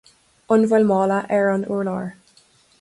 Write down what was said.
An bhfuil mála ar an urlár